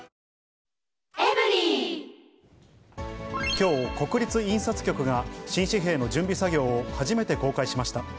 きょう、国立印刷局が新紙幣の準備作業を初めて公開しました。